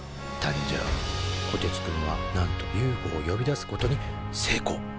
こてつくんはなんとＵＦＯを呼び出すことに成功！